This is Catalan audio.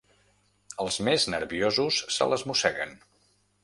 Els més nerviosos se les mosseguen.